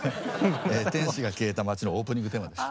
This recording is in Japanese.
「天使が消えた街」のオープニングテーマでした。